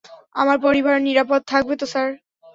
আমার পরিবার নিরাপদ থাকবে তো, স্যার?